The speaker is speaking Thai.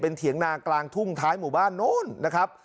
เถียงนากลางทุ่งท้ายหมู่บ้านโน้นนะครับ